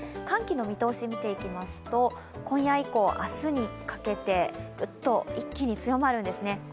寒気の見通しを見ていきますと、今夜以降、明日にかけて、ぐっと強まるんですね。